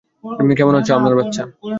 কেমন আছো আমার বাচ্চা?